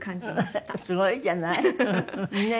すごいじゃない？ねえ。